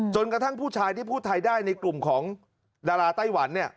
กระทั่งผู้ชายที่พูดไทยได้ในกลุ่มของดาราไต้หวันเนี่ย